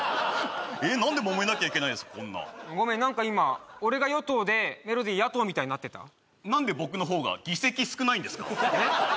何でもめなきゃいけないんですかこんなごめんなんか今俺が与党でメロディ野党みたいになってた何で僕のほうが議席少ないんですか？